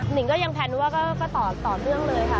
นิงก็ยังแพลนว่าก็ต่อเนื่องเลยค่ะ